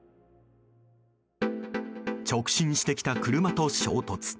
直進してきた車と衝突。